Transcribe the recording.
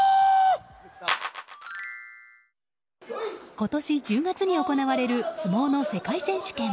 今年１０月に行われる相撲の世界選手権。